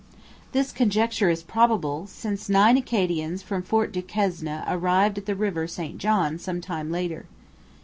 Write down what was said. This conjecture is probable, since nine Acadians from Fort Duquesne arrived at the river St John some time later.